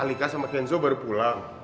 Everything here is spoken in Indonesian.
alika sama kenzo baru pulang